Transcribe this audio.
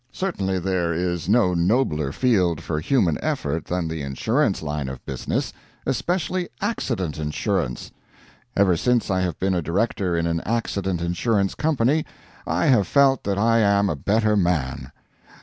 Certainly there is no nobler field for human effort than the insurance line of business especially accident insurance. Ever since I have been a director in an accident insurance company I have felt that I am a better man.